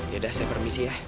ya udah saya permisi ya